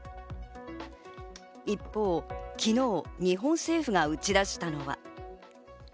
一方、昨日、日本政府が打ち出したのは。